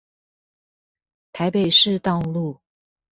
台北市道路